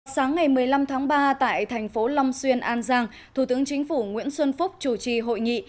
sáng ngày một mươi năm tháng ba tại thành phố long xuyên an giang thủ tướng chính phủ nguyễn xuân phúc chủ trì hội nghị